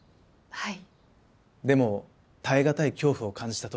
はい。